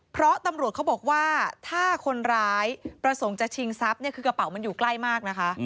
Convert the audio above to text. เพราะตำรวจเขาบอกว่าถ้าคนร้ายประสงค์จะชิงทรัพย์เนี่ยคือกระเป๋ามันอยู่ใกล้มากนะคะ